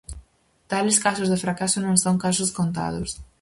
Tales casos de fracaso non son casos contados.